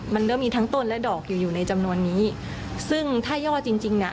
มันเริ่มมีทั้งต้นและดอกอยู่อยู่ในจำนวนนี้ซึ่งถ้าย่อจริงจริงน่ะ